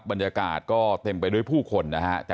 บรรยากาศก็เต็มไปด้วยผู้คนนะฮะ